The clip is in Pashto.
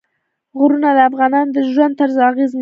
غرونه د افغانانو د ژوند طرز اغېزمنوي.